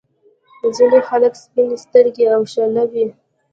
ځينې خلک سپين سترګي او شله وي.